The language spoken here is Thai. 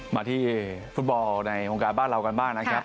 มาที่ฟุตบอลในวงการบ้านเรากันบ้างนะครับ